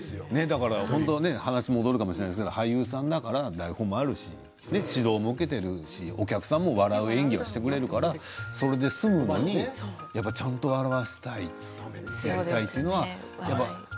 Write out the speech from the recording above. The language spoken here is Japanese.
話、戻るかもしれませんけど俳優さんだから台本があるし指導も受けているしお客さんも笑う演技もしてくれるからそれで済むのにでもちゃんと笑わしてやりたいっていうのがね